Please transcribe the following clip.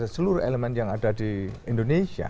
seluruh elemen yang ada di indonesia